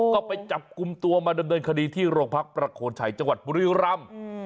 ก็ไปจับกลุ่มตัวมาดำเนินคดีที่โรงพักประโคนชัยจังหวัดบุรีรำ